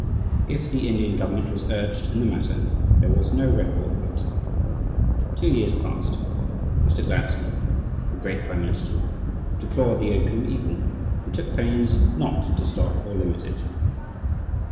If the Indian government was urged in the matter, there was no record of it. Two years passed. Mr. Gladstone, the great prime minister, deplored the opium evil and took pains not to stop or limit it.